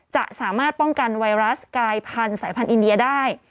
จะสามารถป้องกันไวรัสกายพันธุ์สายพันธุอินเดียได้